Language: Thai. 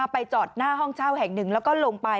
ไปจอดหน้าห้องเช่าแห่งหนึ่งแล้วก็ลงไป